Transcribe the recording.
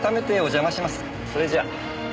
それじゃ。